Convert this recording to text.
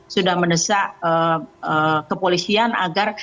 sudah menesak kepolisian agar